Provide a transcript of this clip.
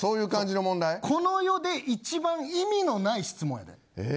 この世で一番意味のない質問やで。